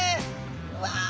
うわ！